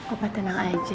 opa tenang aja ya